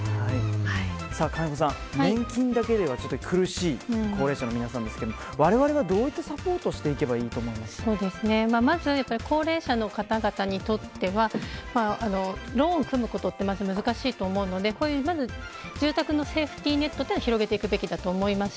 金子さん、年金だけでは苦しい高齢者の皆さんですがわれわれは、どういったサポートまず、高齢者の方々にとってはローンを組むことって難しいと思うので住宅のセーフティーネットを広げていくべきだと思います。